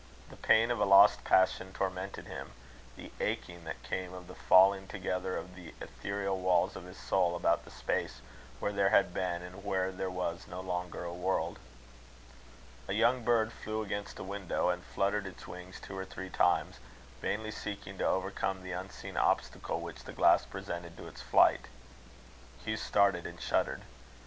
The pain of a lost passion tormented him the aching that came of the falling together of the ethereal walls of his soul, about the space where there had been and where there was no longer a world. A young bird flew against the window, and fluttered its wings two or three times, vainly seeking to overcome the unseen obstacle which the glass presented to its flight. Hugh started and shuddered.